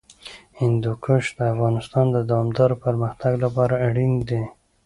هندوکش د افغانستان د دوامداره پرمختګ لپاره اړین دي.